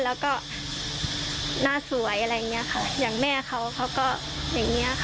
แล้วก็หน้าสวยอะไรอย่างเงี้ยค่ะอย่างแม่เขาเขาก็อย่างเงี้ยค่ะ